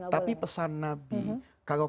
tapi pesan nabi kalau